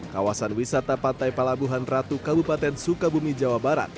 kawasan wisata pantai palabuhan ratu kabupaten sukabumi jawa barat